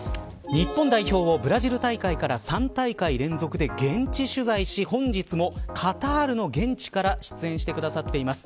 日本代表をブラジル大会から３大会連続で現地取材し本日もカタールの現地から出演してくださっています